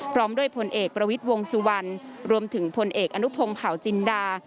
พร้อมด้วยพลเอกประวิทย์วงสุวรรณรวมถึงพลเอกอนุพงศ์เผาจินดา